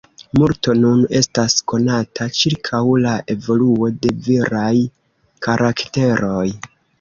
Multo nun estas konata ĉirkaŭ la evoluo de viraj karakteroj.